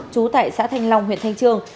chú tại xã thanh long huyện thanh trương